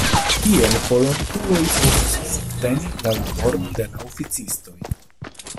Kiel volontuloj povus subteni la laboron de la oficistoj?